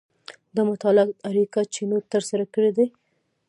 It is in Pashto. دا مطالعات اریکا چینوت ترسره کړي دي.